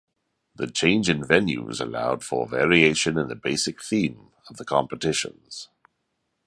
The change in venues allowed for variation in the basic theme of the competitions.